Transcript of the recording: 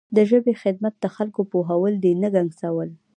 د ژبې خدمت د خلکو پوهول دي نه ګنګسول.